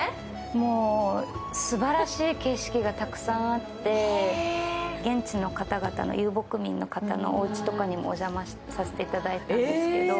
もう、すばらしい景色がたくさんあって、現地の方々、遊牧民の方々のおうちにもお邪魔させていただいたんですけれども。